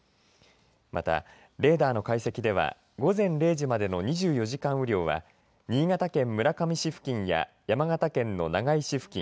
また、レーダーの解析では午前０時までの２４時間の雨量は新潟県村上市付近や山形県の長井市付近